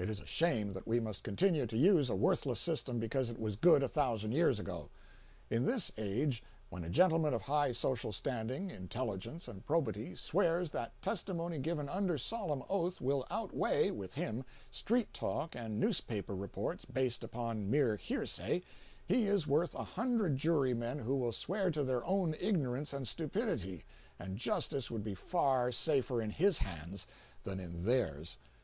It is a shame that we must continue to use a worthless system because it was good a thousand years ago. In this age, when a gentleman of high social standing, intelligence and probity, swears that testimony given under solemn oath will outweigh, with him, street talk and newspaper reports based upon mere hearsay, he is worth a hundred jurymen who will swear to their own ignorance and stupidity, and justice would be far safer in his hands than in theirs.